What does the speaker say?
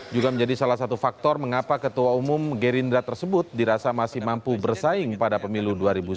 juga menjadi salah satu faktor mengapa ketua umum gerindra tersebut dirasa masih mampu bersaing pada pemilu dua ribu sembilan belas